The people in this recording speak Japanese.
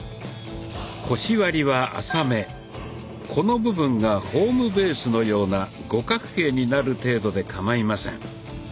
腰割りは浅めこの部分がホームベースのような五角形になる程度でかまいません。